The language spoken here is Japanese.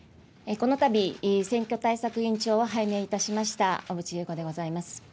このたび選挙対策委員長を拝命いたしました小渕優子でございます。